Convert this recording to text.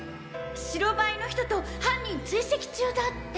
白バイの人と犯人追跡中だって。